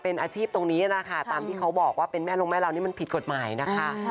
เป็นอาชีพตรงนี้นะคะตามที่เขาบอกว่าเป็นแม่ลงแม่เรานี่มันผิดกฎหมายนะคะ